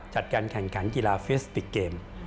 จัดการแข่งขันกีฬาฟิสปิกเกม